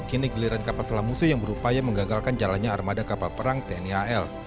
kini geliran kapal selam musuh yang berupaya menggagalkan jalannya armada kapal perang tni al